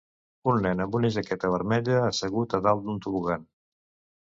Un nen amb una jaqueta vermella assegut a dalt d'un tobogan.